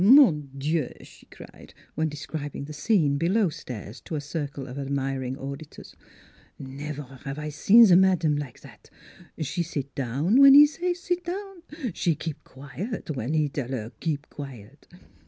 " Mon dieu !" slie cried, when describ ing the scene below stairs to a circle of admiring auditors. " Nevaire have I seen ze madame like zat. She sit down when he say, ' Sit down '; she keep quiet when he tell her ' Keep quiet.'